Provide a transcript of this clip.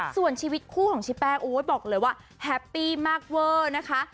ส่วนชีวิตคู่ของชิแป้โอ๊ยบอกเลยว่าแฮปปี้มากเวอร์นะคะ